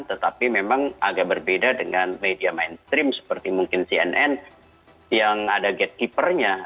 tetapi memang agak berbeda dengan media mainstream seperti mungkin cnn yang ada gatekeepernya